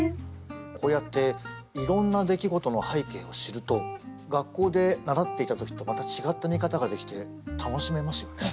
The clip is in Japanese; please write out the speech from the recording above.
こうやっていろんな出来事の背景を知ると学校で習っていた時とまた違った見方ができて楽しめますよね。